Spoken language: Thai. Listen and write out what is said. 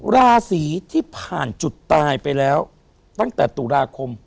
ราศีที่ผ่านจุดตายไปแล้วตั้งแต่ตุลาคม